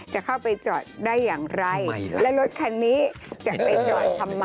จะเข้าไปจอดได้อย่างไรและรถคันนี้จะไปจอดทำไม